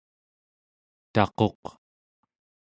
taquq²